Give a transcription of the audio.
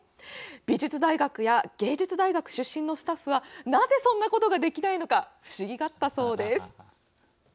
美術大学や芸術大学出身のスタッフはなぜそんなことができないのか不思議がったそうです。